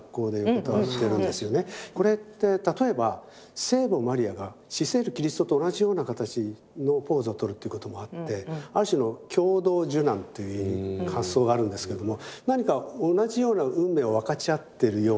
これって例えば聖母マリアが死せるキリストと同じような形のポーズをとるっていうこともあってある種の共同受難という発想があるんですけども何か同じような運命を分かち合ってるような。